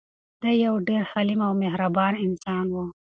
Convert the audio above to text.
دی یو ډېر حلیم او مهربان انسان و.